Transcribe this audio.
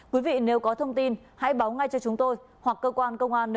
quý vị nếu có thông tin hãy báo ngay cho chúng tôi hoặc cơ quan công an nơi